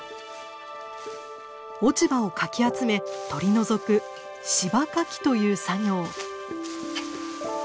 落ち葉をかき集め取り除く「柴かき」という作業。